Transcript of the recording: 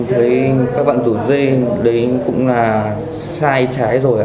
thấy các bạn rủ dê đấy cũng là sai trái rồi